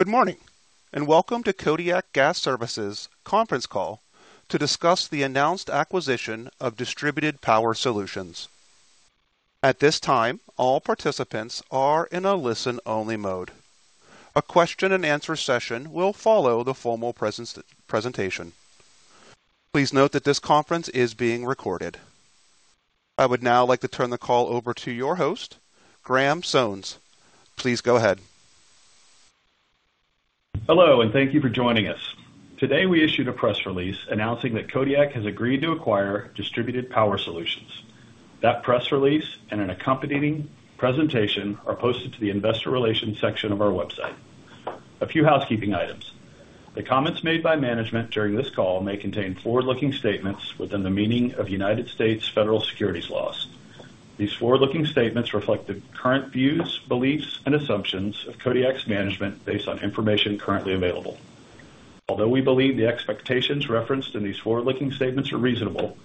Good morning, and welcome to Kodiak Gas Services conference call to discuss the announced acquisition of Distributed Power Solutions. At this time, all participants are in a listen-only mode. A question and answer session will follow the formal presentation. Please note that this conference is being recorded. I would now like to turn the call over to your host, Graham Sones. Please go ahead. Hello, and thank you for joining us. Today, we issued a press release announcing that Kodiak has agreed to acquire Distributed Power Solutions. That press release and an accompanying presentation are posted to the investor relations section of our website. A few housekeeping items. The comments made by management during this call may contain forward-looking statements within the meaning of United States federal securities laws. These forward-looking statements reflect the current views, beliefs, and assumptions of Kodiak's management based on information currently available. Although we believe the expectations referenced in these forward-looking statements are reasonable,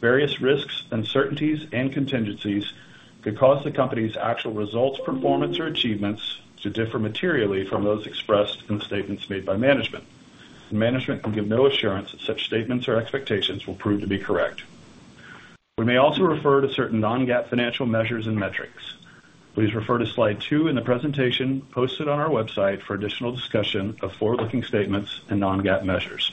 various risks, uncertainties, and contingencies could cause the company's actual results, performance, or achievements to differ materially from those expressed in the statements made by management. Management can give no assurance that such statements or expectations will prove to be correct. We may also refer to certain non-GAAP financial measures and metrics. Please refer to Slide 2 in the presentation posted on our website for additional discussion of forward-looking statements and non-GAAP measures.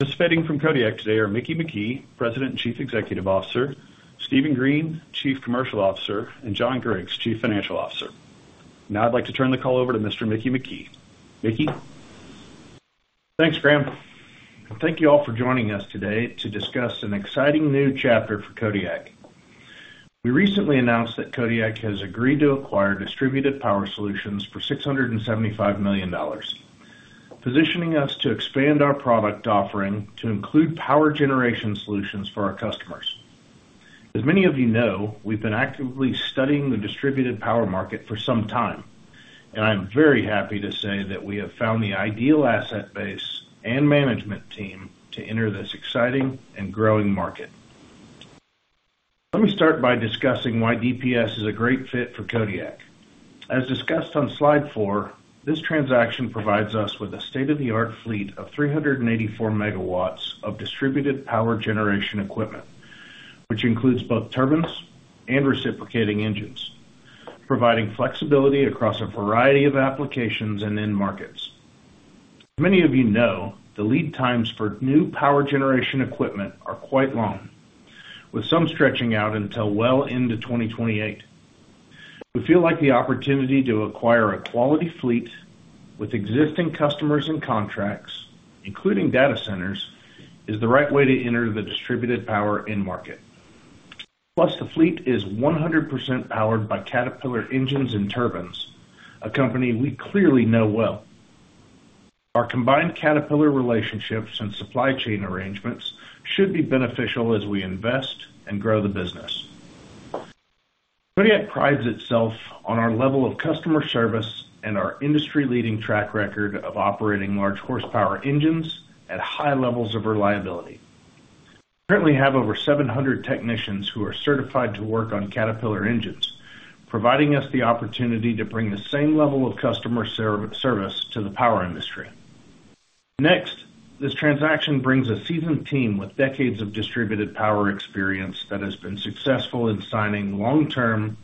Participating from Kodiak today are Mickey McKee, President and Chief Executive Officer, Steven Green, Chief Commercial Officer, and John Griggs, Chief Financial Officer. Now I'd like to turn the call over to Mr. Mickey McKee. Mickey? Thanks, Graham. Thank you all for joining us today to discuss an exciting new chapter for Kodiak. We recently announced that Kodiak has agreed to acquire Distributed Power Solutions for $675 million, positioning us to expand our product offering to include power generation solutions for our customers. As many of you know, we've been actively studying the distributed power market for some time, and I'm very happy to say that we have found the ideal asset base and management team to enter this exciting and growing market. Let me start by discussing why DPS is a great fit for Kodiak. As discussed on Slide 4, this transaction provides us with a state-of-the-art fleet of 384 MW of distributed power generation equipment, which includes both turbines and reciprocating engines, providing flexibility across a variety of applications and end markets. Many of you know, the lead times for new power generation equipment are quite long, with some stretching out until well into 2028. We feel like the opportunity to acquire a quality fleet with existing customers and contracts, including data centers, is the right way to enter the distributed power end market. Plus, the fleet is 100% powered by Caterpillar engines and turbines, a company we clearly know well. Our combined Caterpillar relationships and supply chain arrangements should be beneficial as we invest and grow the business. Kodiak prides itself on our level of customer service and our industry-leading track record of operating large horsepower engines at high levels of reliability. We currently have over 700 technicians who are certified to work on Caterpillar engines, providing us the opportunity to bring the same level of customer service to the power industry. Next, this transaction brings a seasoned team with decades of distributed power experience that has been successful in signing long-term,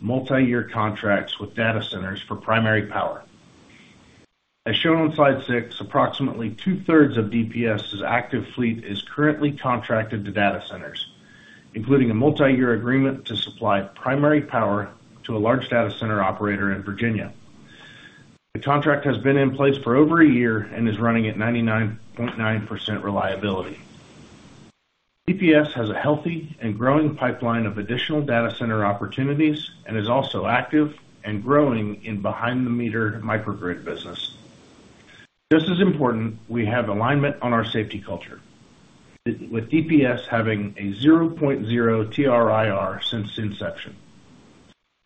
multi-year contracts with data centers for primary power. As shown on Slide 6, approximately two-thirds of DPS's active fleet is currently contracted to data centers, including a multi-year agreement to supply primary power to a large data center operator in Virginia. The contract has been in place for over a year and is running at 99.9% reliability. DPS has a healthy and growing pipeline of additional data center opportunities and is also active and growing in behind-the-meter microgrid business. Just as important, we have alignment on our safety culture, with DPS having a 0.0 TRIR since inception.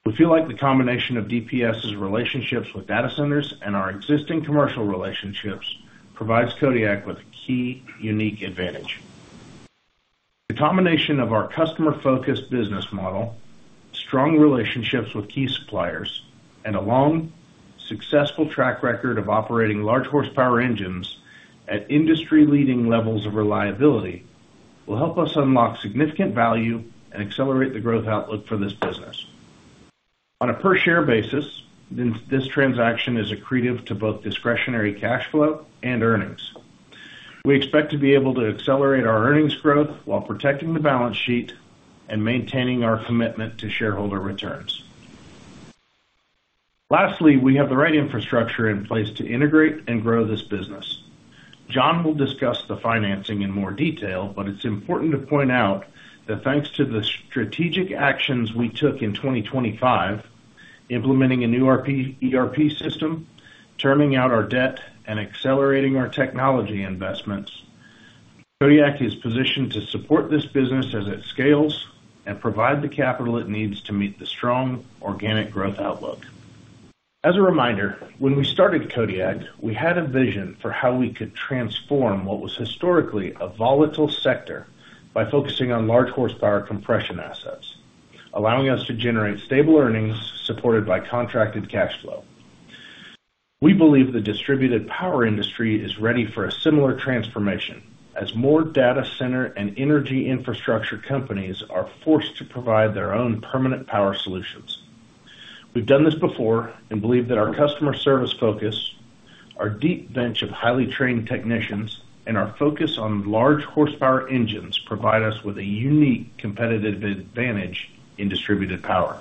We feel like the combination of DPS's relationships with data centers and our existing commercial relationships provides Kodiak with a key unique advantage. The combination of our customer-focused business model, strong relationships with key suppliers, and a long, successful track record of operating large horsepower engines at industry-leading levels of reliability will help us unlock significant value and accelerate the growth outlook for this business. On a per-share basis, this transaction is accretive to both discretionary cash flow and earnings. We expect to be able to accelerate our earnings growth while protecting the balance sheet and maintaining our commitment to shareholder returns. Lastly, we have the right infrastructure in place to integrate and grow this business. John will discuss the financing in more detail, but it's important to point out that thanks to the strategic actions we took in 2025, implementing a new ERP system, terming out our debt, and accelerating our technology investments, Kodiak is positioned to support this business as it scales and provide the capital it needs to meet the strong organic growth outlook. As a reminder, when we started Kodiak, we had a vision for how we could transform what was historically a volatile sector by focusing on large horsepower compression assets, allowing us to generate stable earnings supported by contracted cash flow. We believe the distributed power industry is ready for a similar transformation as more data center and energy infrastructure companies are forced to provide their own permanent power solutions. We've done this before and believe that our customer service focus, our deep bench of highly trained technicians, and our focus on large horsepower engines provide us with a unique competitive advantage in distributed power.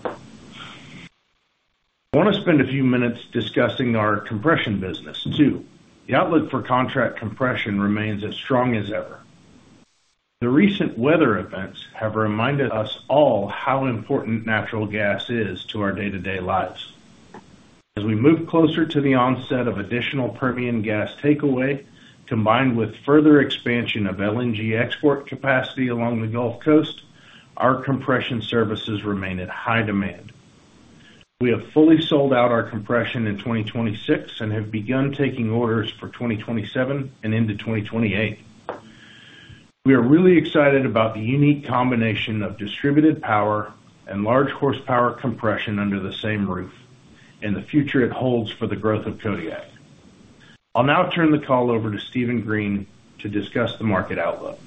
I want to spend a few minutes discussing our compression business, too. The outlook for contract compression remains as strong as ever. The recent weather events have reminded us all how important natural gas is to our day-to-day lives. As we move closer to the onset of additional Permian gas takeaway, combined with further expansion of LNG export capacity along the Gulf Coast, our compression services remain at high demand. We have fully sold out our compression in 2026 and have begun taking orders for 2027 and into 2028. We are really excited about the unique combination of distributed power and large horsepower compression under the same roof, and the future it holds for the growth of Kodiak. I'll now turn the call over to Steven Green to discuss the market outlook.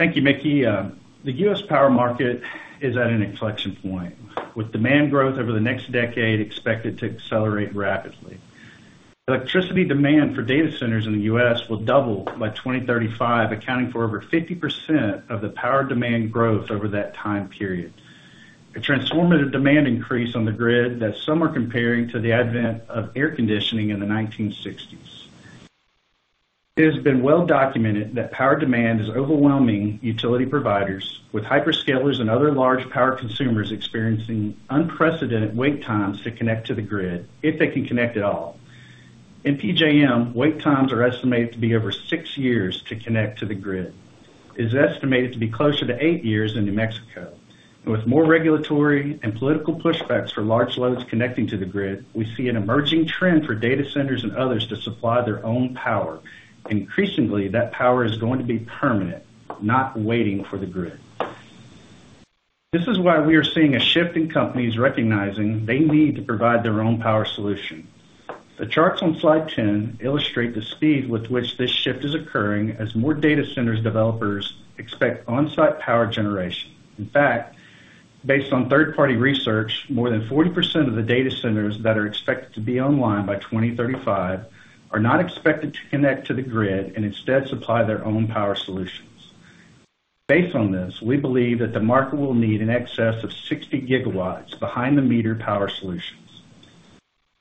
Thank you, Mickey. The U.S. power market is at an inflection point, with demand growth over the next decade expected to accelerate rapidly. Electricity demand for data centers in the U.S. will double by 2035, accounting for over 50% of the power demand growth over that time period. A transformative demand increase on the grid that some are comparing to the advent of air conditioning in the 1960s. It has been well documented that power demand is overwhelming utility providers, with hyperscalers and other large power consumers experiencing unprecedented wait times to connect to the grid, if they can connect at all. In PJM, wait times are estimated to be over six years to connect to the grid. It is estimated to be closer to eight years in New Mexico. With more regulatory and political pushbacks for large loads connecting to the grid, we see an emerging trend for data centers and others to supply their own power. Increasingly, that power is going to be permanent, not waiting for the grid. This is why we are seeing a shift in companies recognizing they need to provide their own power solution. The charts on Slide 10 illustrate the speed with which this shift is occurring as more data center developers expect on-site power generation. In fact, based on third-party research, more than 40% of the data centers that are expected to be online by 2035 are not expected to connect to the grid and instead supply their own power solutions. Based on this, we believe that the market will need in excess of 60 GW behind-the-meter power solutions.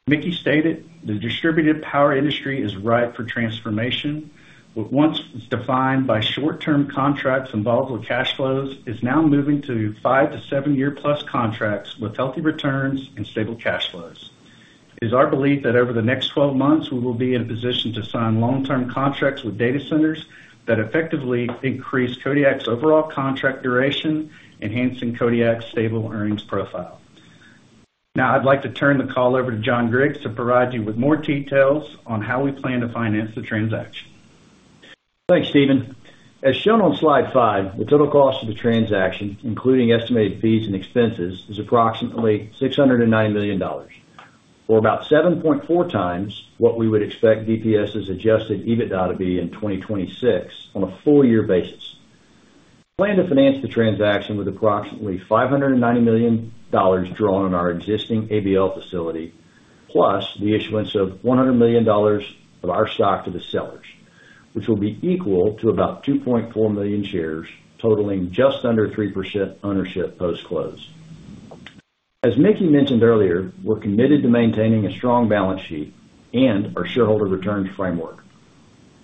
Mickey stated, "The distributed power industry is ripe for transformation. What once was defined by short-term contracts involved with cash flows is now moving to 5-7+ year contracts with healthy returns and stable cash flows." It is our belief that over the next 12 months, we will be in a position to sign long-term contracts with data centers that effectively increase Kodiak's overall contract duration, enhancing Kodiak's stable earnings profile. Now, I'd like to turn the call over to John Griggs to provide you with more details on how we plan to finance the transaction. Thanks, Steven. As shown on Slide 5, the total cost of the transaction, including estimated fees and expenses, is approximately $690 million, or about 7.4x what we would expect DPS's adjusted EBITDA to be in 2026 on a full year basis. We plan to finance the transaction with approximately $590 million drawn on our existing ABL facility, plus the issuance of $100 million of our stock to the sellers, which will be equal to about 2.4 million shares, totaling just under 3% ownership post-close. As Mickey mentioned earlier, we're committed to maintaining a strong balance sheet and our shareholder returns framework.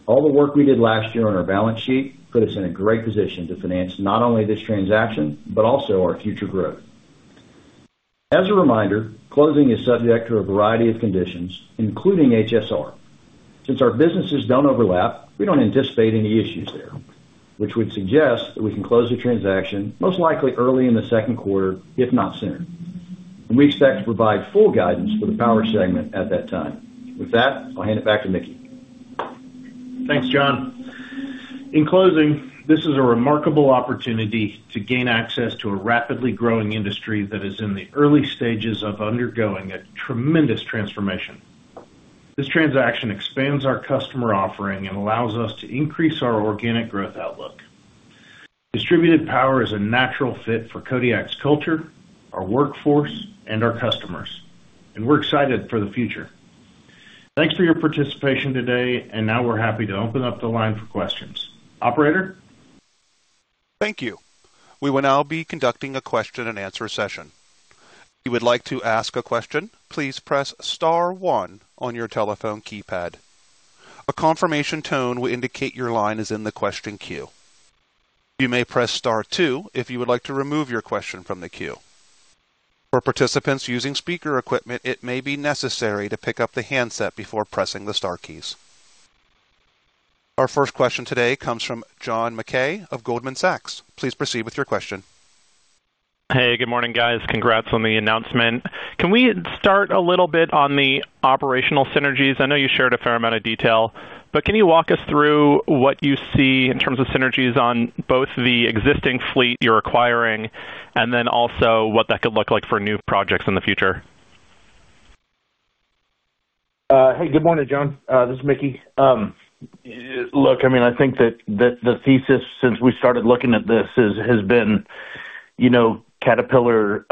All the work we did last year on our balance sheet put us in a great position to finance not only this transaction, but also our future growth. As a reminder, closing is subject to a variety of conditions, including HSR. Since our businesses don't overlap, we don't anticipate any issues there, which would suggest that we can close the transaction most likely early in the second quarter, if not sooner. And we expect to provide full guidance for the power segment at that time. With that, I'll hand it back to Mickey. Thanks, John. In closing, this is a remarkable opportunity to gain access to a rapidly growing industry that is in the early stages of undergoing a tremendous transformation. This transaction expands our customer offering and allows us to increase our organic growth outlook. Distributed power is a natural fit for Kodiak's culture, our workforce, and our customers, and we're excited for the future. Thanks for your participation today, and now we're happy to open up the line for questions. Operator? Thank you. We will now be conducting a question-and-answer session. If you would like to ask a question, please press star one on your telephone keypad. A confirmation tone will indicate your line is in the question queue. You may press star two if you would like to remove your question from the queue. For participants using speaker equipment, it may be necessary to pick up the handset before pressing the star keys. Our first question today comes from John Mackay of Goldman Sachs. Please proceed with your question. Hey, good morning, guys. Congrats on the announcement. Can we start a little bit on the operational synergies? I know you shared a fair amount of detail, but can you walk us through what you see in terms of synergies on both the existing fleet you're acquiring and then also what that could look like for new projects in the future? Hey, good morning, John. This is Mickey. Look, I mean, I think that the thesis since we started looking at this is, has been, you know, Caterpillar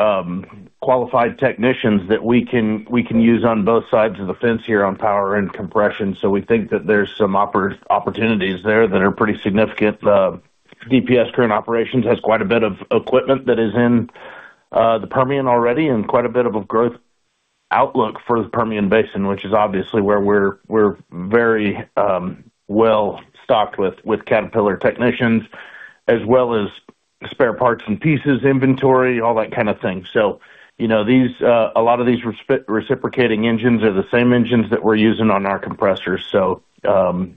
qualified technicians that we can use on both sides of the fence here on power and compression. So we think that there's some opportunities there that are pretty significant. DPS current operations has quite a bit of equipment that is in the Permian already and quite a bit of a growth outlook for the Permian Basin, which is obviously where we're very well-stocked with Caterpillar technicians, as well as spare parts and pieces inventory, all that kind of thing. So, you know, these, a lot of these reciprocating engines are the same engines that we're using on our compressors, so,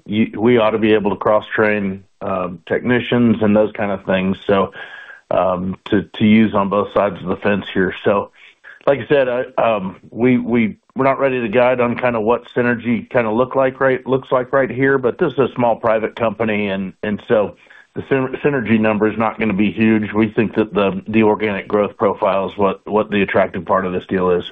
you- we ought to be able to cross-train, technicians and those kind of things, so, to, to use on both sides of the fence here. So, like I said, I, we, we're not ready to guide on kind of what synergy kind of looks like right here, but this is a small private company, and so the synergy number is not gonna be huge. We think that the organic growth profile is what the attractive part of this deal is.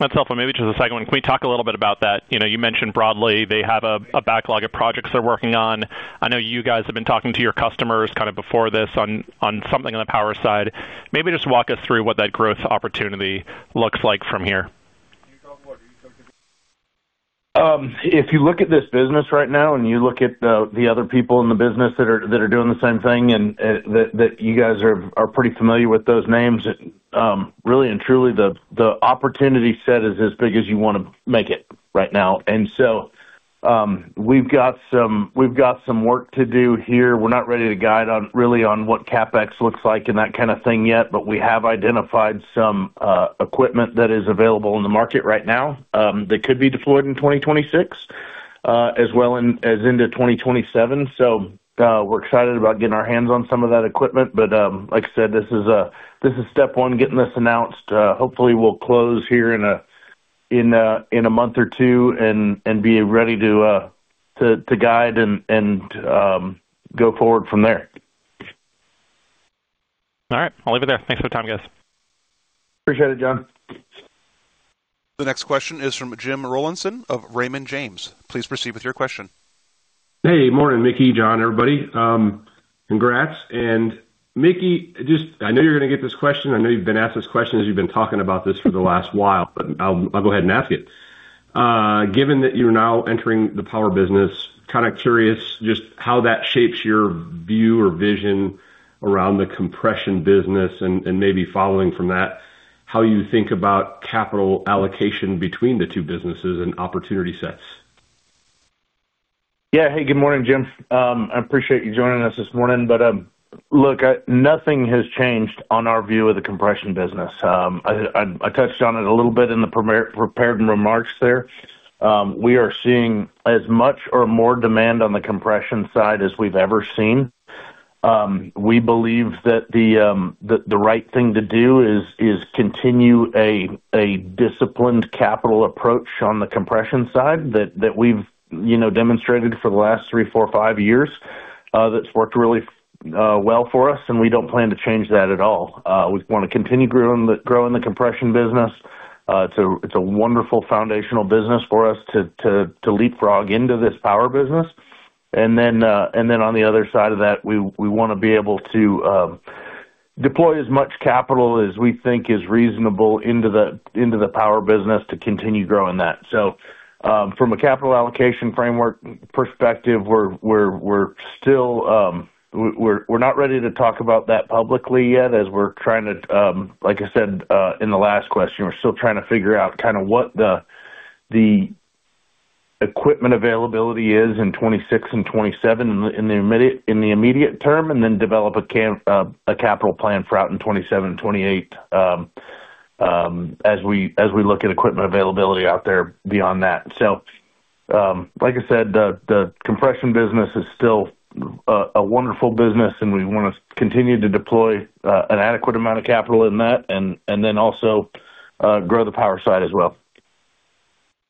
That's helpful. Maybe just a second one: Can we talk a little bit about that? You know, you mentioned broadly they have a backlog of projects they're working on. I know you guys have been talking to your customers kind of before this on something on the power side. Maybe just walk us through what that growth opportunity looks like from here. If you look at this business right now, and you look at the other people in the business that are doing the same thing, and that you guys are pretty familiar with those names, really and truly, the opportunity set is as big as you want to make it right now. And so, we've got some work to do here. We're not ready to guide on, really on what CapEx looks like and that kind of thing yet, but we have identified some equipment that is available in the market right now that could be deployed in 2026, as well as into 2027. So, we're excited about getting our hands on some of that equipment, but, like I said, this is step one, getting this announced. Hopefully, we'll close here in a month or two and be ready to guide and go forward from there. All right. I'll leave it there. Thanks for the time, guys. Appreciate it, John. The next question is from Jim Rollyson of Raymond James. Please proceed with your question. Hey, morning, Mickey, John, everybody. Congrats, and Mickey, just... I know you're gonna get this question. I know you've been asked this question as you've been talking about this for the last while, but I'll go ahead and ask it. Given that you're now entering the power business, kind of curious just how that shapes your view or vision around the compression business and, and maybe following from that, how you think about capital allocation between the two businesses and opportunity sets. Yeah. Hey, good morning, Jim. I appreciate you joining us this morning. But, look, nothing has changed on our view of the compression business. I touched on it a little bit in the prepared remarks there. We are seeing as much or more demand on the compression side as we've ever seen. We believe that the right thing to do is continue a disciplined capital approach on the compression side, that we've, you know, demonstrated for the last three, four, five years. That's worked really well for us, and we don't plan to change that at all. We want to continue growing the compression business. It's a wonderful foundational business for us to leapfrog into this power business. Then on the other side of that, we want to be able to deploy as much capital as we think is reasonable into the power business to continue growing that. So, from a capital allocation framework perspective, we're still... We're not ready to talk about that publicly yet, as we're trying to, like I said, in the last question, we're still trying to figure out kind of what the equipment availability is in 2026 and 2027, in the immediate term, and then develop a capital plan for 2027 and 2028, as we look at equipment availability out there beyond that. Like I said, the compression business is still a wonderful business, and we want to continue to deploy an adequate amount of capital in that and then also grow the power side as well.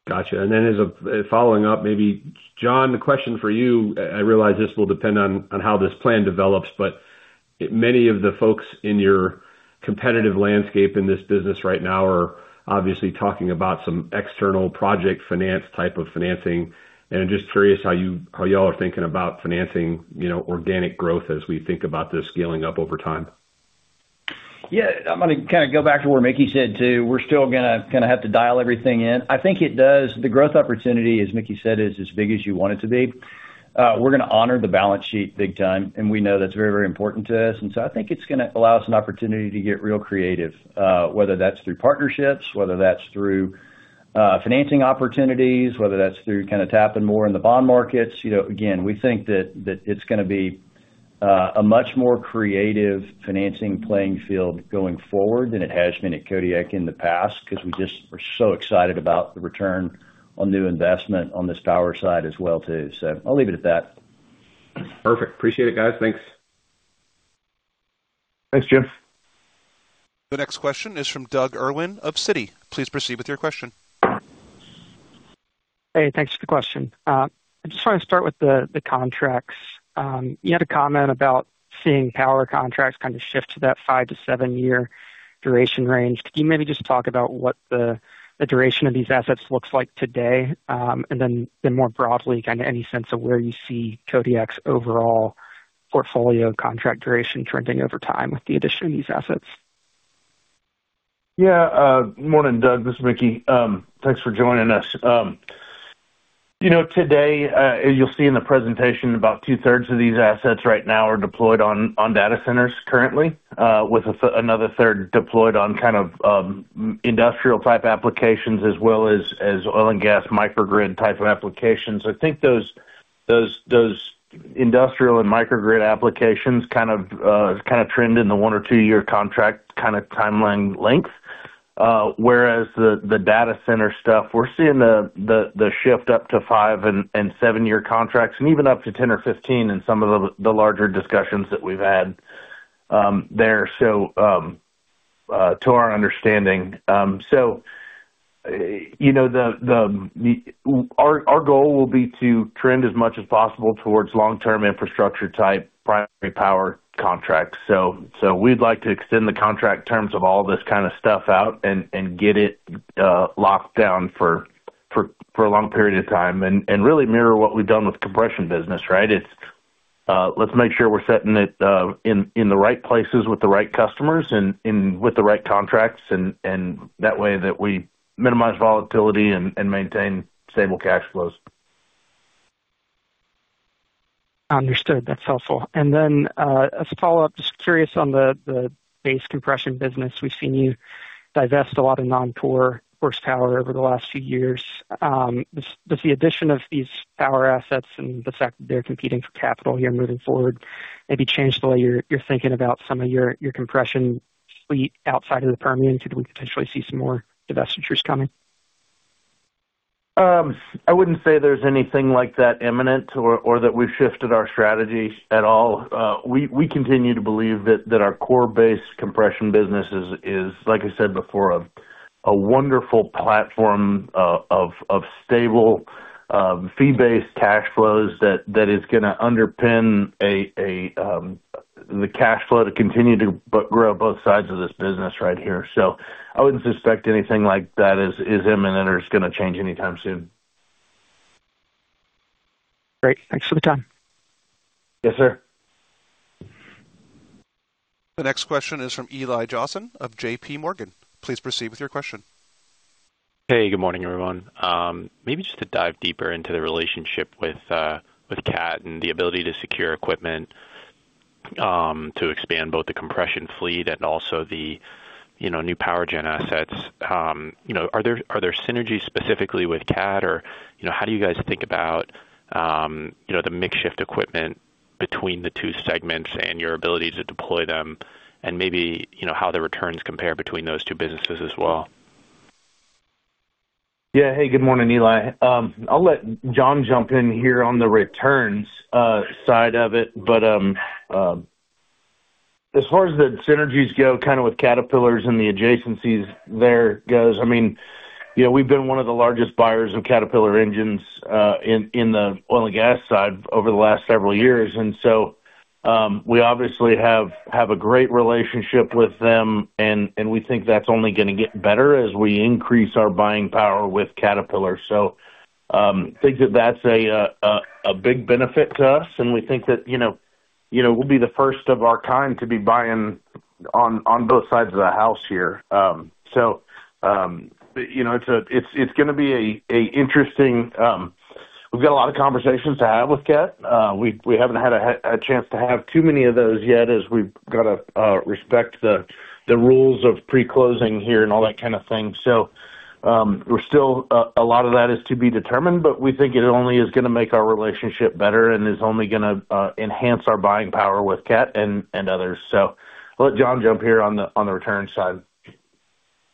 Gotcha. And then, following up, maybe, John, the question for you. I realize this will depend on how this plan develops, but many of the folks in your competitive landscape in this business right now are obviously talking about some external project finance type of financing. And I'm just curious how y'all are thinking about financing, you know, organic growth as we think about this scaling up over time. Yeah. I'm gonna kind of go back to what Mickey said, too. We're still gonna kind of have to dial everything in. I think it does—the growth opportunity, as Mickey said, is as big as you want it to be. We're gonna honor the balance sheet big time, and we know that's very, very important to us. And so I think it's gonna allow us an opportunity to get real creative, whether that's through partnerships, whether that's through, financing opportunities, whether that's through kind of tapping more in the bond markets. You know, again, we think that, that it's gonna be, a much more creative financing playing field going forward than it has been at Kodiak in the past, because we're so excited about the return on new investment on this power side as well, too. So I'll leave it at that. Perfect. Appreciate it, guys. Thanks. Thanks, Jim. The next question is from Doug Irwin of Citi. Please proceed with your question. Hey, thanks for the question. I just want to start with the contracts. You had a comment about seeing power contracts kind of shift to that 5-7 year duration range. Could you maybe just talk about what the duration of these assets looks like today? And then more broadly, kind of any sense of where you see Kodiak's overall portfolio contract duration trending over time with the addition of these assets? Yeah, morning, Doug, this is Mickey. Thanks for joining us. You know, today, you'll see in the presentation, about two-thirds of these assets right now are deployed on data centers currently, with another third deployed on kind of industrial type applications as well as oil and gas microgrid type of applications. I think those industrial and microgrid applications kind of kind of trend in the one or two-year contract kind of timeline length. Whereas the data center stuff, we're seeing the shift up to five and seven-year contracts, and even up to 10 or 15 in some of the larger discussions that we've had, there. So, to our understanding, you know, our goal will be to trend as much as possible towards long-term infrastructure type primary power contracts. We'd like to extend the contract terms of all this kind of stuff out and get it locked down for a long period of time, and really mirror what we've done with compression business, right? It's let's make sure we're setting it in the right places with the right customers and with the right contracts, and that way that we minimize volatility and maintain stable cash flows. Understood. That's helpful. And then, as a follow-up, just curious on the base compression business, we've seen you divest a lot of non-core horsepower over the last few years. Does the addition of these power assets and the fact that they're competing for capital here moving forward, maybe change the way you're thinking about some of your compression fleet outside of the Permian? Could we potentially see some more divestitures coming? I wouldn't say there's anything like that imminent or that we've shifted our strategy at all. We continue to believe that our core base compression business is, like I said before, a wonderful platform of stable fee-based cash flows that is gonna underpin the cash flow to continue to grow both sides of this business right here. So I wouldn't suspect anything like that is imminent or is gonna change anytime soon. Great. Thanks for the time. Yes, sir. The next question is from Eli Jossen of J.P. Morgan. Please proceed with your question. Hey, good morning, everyone. Maybe just to dive deeper into the relationship with Cat and the ability to secure equipment, to expand both the compression fleet and also the, you know, new power gen assets. You know, are there synergies specifically with Cat? Or, you know, how do you guys think about, you know, the mix shift equipment between the two segments and your ability to deploy them? And maybe, you know, how the returns compare between those two businesses as well. Yeah. Hey, good morning, Eli. I'll let John jump in here on the returns side of it, but as far as the synergies go, kind of with Caterpillar's and the adjacencies there goes, I mean, you know, we've been one of the largest buyers of Caterpillar engines in the oil and gas side over the last several years, and so we obviously have a great relationship with them, and we think that's only gonna get better as we increase our buying power with Caterpillar. So think that that's a big benefit to us, and we think that, you know, we'll be the first of our kind to be buying on both sides of the house here. So you know, it's a- it's gonna be a interesting... We've got a lot of conversations to have with Cat. We haven't had a chance to have too many of those yet, as we've got to respect the rules of pre-closing here and all that kind of thing. So, we're still a lot of that is to be determined, but we think it only is gonna make our relationship better and is only gonna enhance our buying power with Cat and others. So I'll let John jump here on the returns side.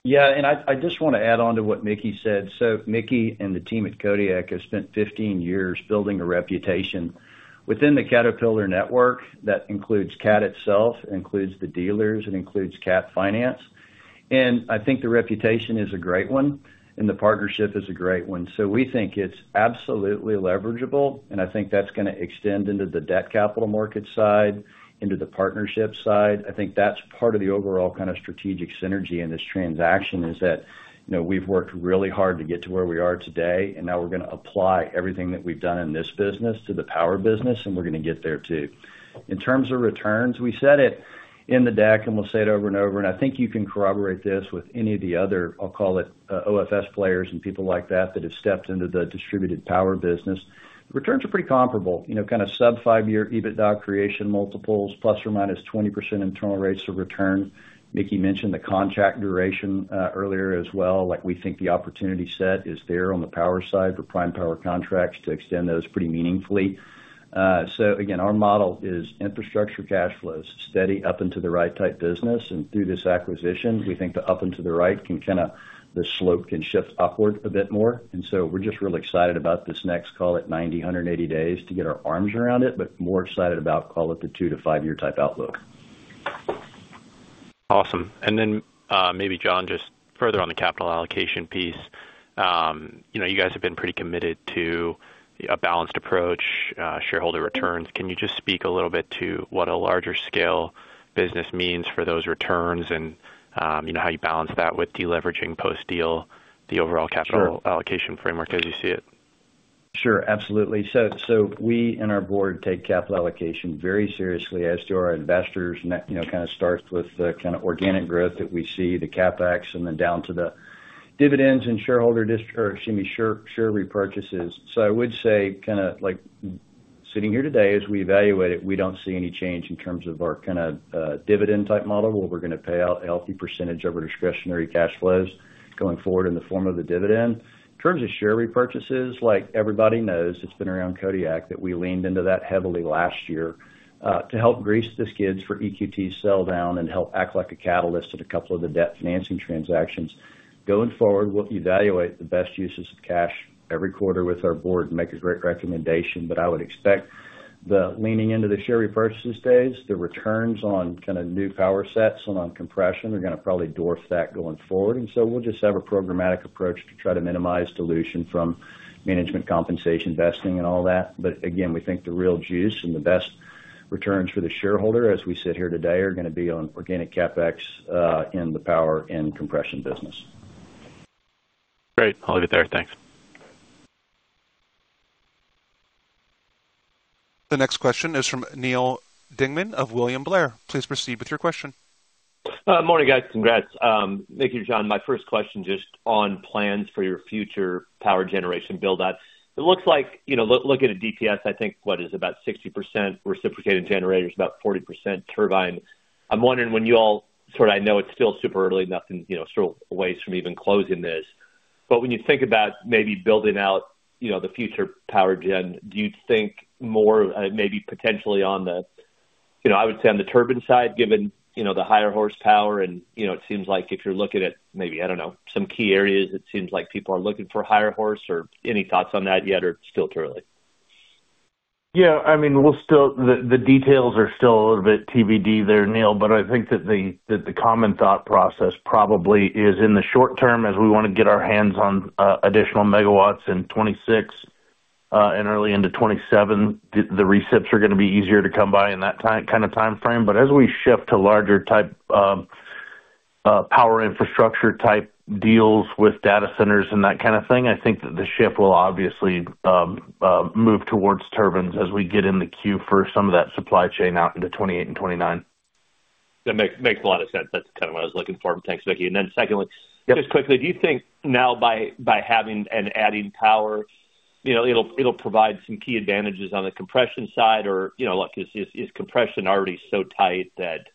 Yeah, and I, I just want to add on to what Mickey said. So Mickey and the team at Kodiak have spent 15 years building a reputation within the Caterpillar network. That includes Cat itself, it includes the dealers, it includes Cat Finance, and I think the reputation is a great one, and the partnership is a great one. So we think it's absolutely leverageable, and I think that's gonna extend into the debt capital market side, into the partnership side. I think that's part of the overall kind of strategic synergy in this transaction, is that, you know, we've worked really hard to get to where we are today, and now we're gonna apply everything that we've done in this business to the power business, and we're gonna get there, too. In terms of returns, we said it in the deck, and we'll say it over and over, and I think you can corroborate this with any of the other, I'll call it, OFS players and people like that, that have stepped into the distributed power business. Returns are pretty comparable. You know, kind of sub-5-year EBITDA creation multiples, ±20% internal rates of return. Mickey mentioned the contract duration, earlier as well. Like, we think the opportunity set is there on the power side for prime power contracts to extend those pretty meaningfully. So again, our model is infrastructure cash flows, steady up and to the right type business, and through this acquisition, we think the up and to the right can kind of, the slope can shift upwards a bit more. And so we're just really excited about this next, call it 90, 180 days, to get our arms around it, but more excited about, call it, the two to five-year type outlook. Awesome. And then, maybe John, just further on the capital allocation piece. You know, you guys have been pretty committed to a balanced approach, shareholder returns. Can you just speak a little bit to what a larger scale business means for those returns and, you know, how you balance that with deleveraging post-deal, the overall capital allocation framework as you see it? Sure, absolutely. So we and our board take capital allocation very seriously as do our investors. And that, you know, kind of starts with the kind of organic growth that we see, the CapEx, and then down to the dividends and shareholder or excuse me, share repurchases. So I would say, kind of like sitting here today, as we evaluate it, we don't see any change in terms of our kind of, dividend type model, where we're gonna pay out a healthy percentage of our discretionary cash flows going forward in the form of the dividend. In terms of share repurchases, like everybody knows, it's been around Kodiak, that we leaned into that heavily last year, to help grease the skids for EQT sell down and help act like a catalyst at a couple of the debt financing transactions. Going forward, we'll evaluate the best uses of cash every quarter with our board and make a great recommendation. But I would expect the leaning into the share repurchases stage, the returns on kind of new power sets and on compression are gonna probably dwarf that going forward. And so we'll just have a programmatic approach to try to minimize dilution from management compensation, vesting and all that. But again, we think the real juice and the best returns for the shareholder, as we sit here today, are gonna be on organic CapEx in the power and compression business. Great. I'll leave it there. Thanks. The next question is from Neal Dingmann of William Blair. Please proceed with your question. Morning, guys. Congrats. Thank you, John. My first question, just on plans for your future power generation build out. It looks like, you know, looking at DPS, I think, what is about 60% reciprocating generators, about 40% turbine. I'm wondering when you all sort of... I know it's still super early, nothing, you know, still a ways from even closing this, but when you think about maybe building out, you know, the future power gen, do you think more, maybe potentially on the, you know, I would say, on the turbine side, given, you know, the higher horsepower and, you know, it seems like if you're looking at maybe, I don't know, some key areas, it seems like people are looking for higher horse or any thoughts on that yet, or still too early? Yeah, I mean, we'll still the details are still a little bit TBD there, Neal, but I think that the common thought process probably is, in the short term, as we want to get our hands on additional megawatts in 2026 and early into 2027, the recips are gonna be easier to come by in that time, kind of timeframe. But as we shift to larger type power infrastructure type deals with data centers and that kind of thing, I think that the shift will obviously move towards turbines as we get in the queue for some of that supply chain out into 2028 and 2029. That makes a lot of sense. That's kind of what I was looking for. Thanks, Mickey. And then secondly- Yep. Just quickly, do you think now by having and adding power, you know, it'll provide some key advantages on the compression side? Or, you know, like, is compression already so tight that...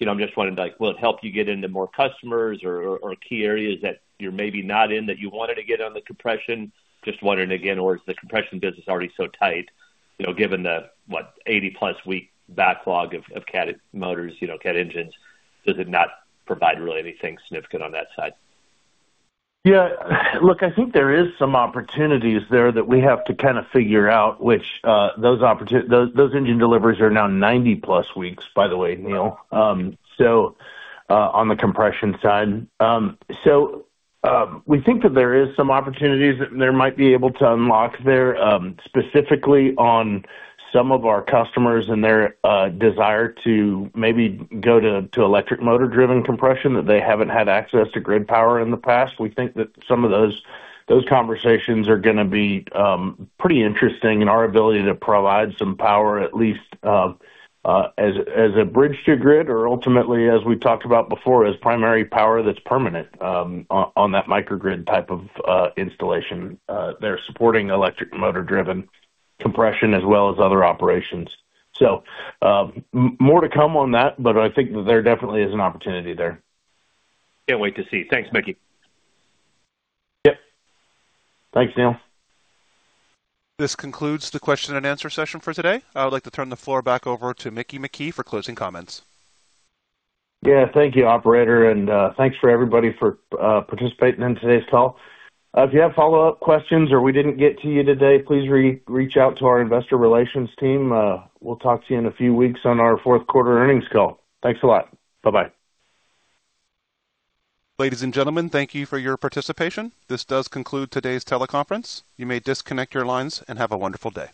You know, I'm just wondering, like, will it help you get into more customers or key areas that you're maybe not in, that you wanted to get on the compression? Just wondering again, or is the compression business already so tight, you know, given the, what, 80+ week backlog of Cat motors, you know, Cat engines, does it not provide really anything significant on that side? Yeah. Look, I think there is some opportunities there that we have to kind of figure out which, those engine deliveries are now 90+ weeks, by the way, Neal, so, on the compression side. So, we think that there is some opportunities that there might be able to unlock there, specifically on some of our customers and their, desire to maybe go to, to electric motor-driven compression, that they haven't had access to grid power in the past. We think that some of those, those conversations are gonna be, pretty interesting in our ability to provide some power, at least, as, as a bridge to grid, or ultimately, as we've talked about before, as primary power that's permanent, on, on that microgrid type of, installation. They're supporting electric motor-driven compression as well as other operations. So, more to come on that, but I think that there definitely is an opportunity there. Can't wait to see it. Thanks, Mickey. Yep. Thanks, Neal. This concludes the question and answer session for today. I would like to turn the floor back over to Mickey McKee for closing comments. Yeah, thank you, operator, and, thanks for everybody for, participating in today's call. If you have follow-up questions or we didn't get to you today, please reach out to our Investor Relations team. We'll talk to you in a few weeks on our fourth quarter earnings call. Thanks a lot. Bye-bye. Ladies and gentlemen, thank you for your participation. This does conclude today's teleconference. You may disconnect your lines, and have a wonderful day.